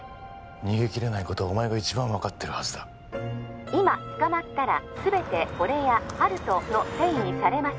逃げ切れないことはお前が一番分かってるはずだ☎今捕まったらすべて俺や温人のせいにされます